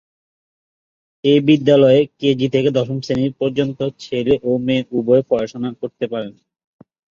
এই বিদ্যালয়ে কেজি থেকে দ্বাদশ শ্রেণি পর্যন্ত ছেলে ও মেয়ে উভয়ই পড়াশোনা করতে পারে।